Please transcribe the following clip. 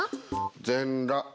全裸！